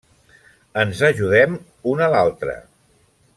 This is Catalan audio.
Ens ajudem un a l'altre.